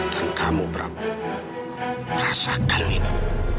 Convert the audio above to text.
dan kamu prabu rasakan ini